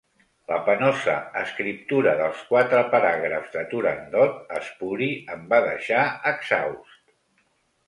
La penosa escriptura dels quatre paràgrafs de “Turandot espuri” em va deixar exhaust.